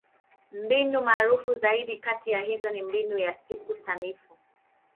Mbinu maarufu zaidi kati ya hizo ni Mbinu ya Siku Sanifu.